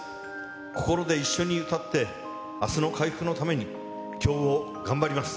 心で一緒に歌って、あすの回復のために、きょうを頑張ります。